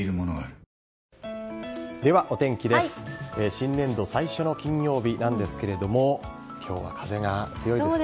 新年度最初の金曜日なんですが今日は風が強いですね。